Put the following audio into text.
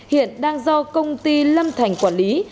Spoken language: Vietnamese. hiện đang do công ty lâm thành quản lý